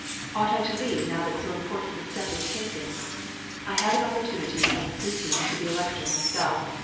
Ought I to leave now that so important a step is taken? I have an opportunity of speaking to the Elector myself.